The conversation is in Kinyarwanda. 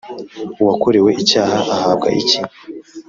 uwakorewe icyaha ahabwa iki